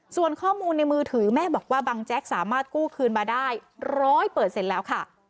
ส่วนข้อมูลในมือถือแม่บอกว่าบังแจ๊กสามารถกู้คืนมาได้๑๐๐แล้วค่ะ